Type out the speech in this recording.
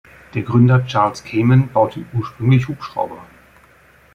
Der Gründer Charles Kaman baute ursprünglich Hubschrauber.